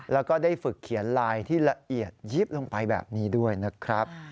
แล้วก็ได้ฝึกเขียนลายที่ละเอียดยิบลงไปแบบนี้ด้วยนะครับ